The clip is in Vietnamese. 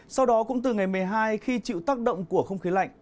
sau đó cũng từ ngày một mươi hai khi chịu tác động của không khí lạnh